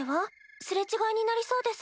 すれ違いになりそうです。